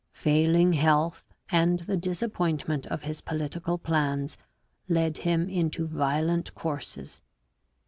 Failing health and the disappoint ment of his political plans led him into violent courses.